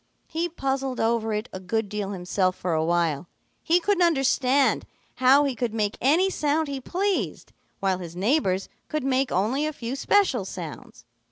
He puzzled over it a good deal himself for a while. He couldn't understand how he could make any sound he pleased, while his neighbors could make only a few special sounds.